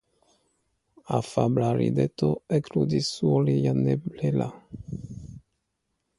Afabla rideto ekludis sur lia nebela.